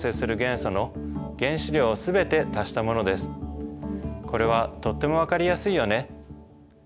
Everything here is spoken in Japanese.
福君これはとっても分かりやすいよね。